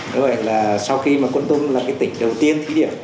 nói vậy là sau khi mà quân tông là cái tỉnh đầu tiên thí điểm